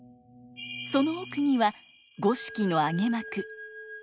その奥には五色の揚幕。